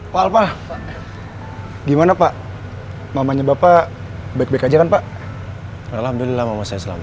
pak alpa gimana pak mamanya bapak baik baik aja kan pak alhamdulillah mama saya selamat